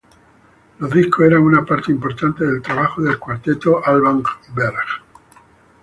Los discos eran una parte importante del trabajo del Cuarteto Alban Berg.